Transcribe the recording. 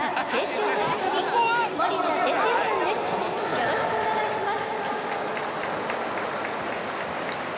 「よろしくお願いします」